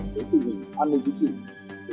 với tình hình an ninh chính trị